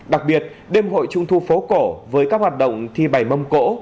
đặc biệt đêm hội trung thu phố cổ với các hoạt động thi bày mâm cổ